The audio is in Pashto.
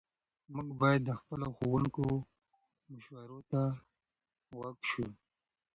موږ باید د خپلو ښوونکو مشورو ته غوږ سو.